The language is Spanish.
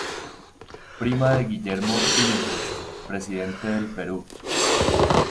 Prima de Guillermo Billinghurst, presidente del Perú.